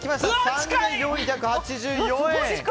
３４８４円。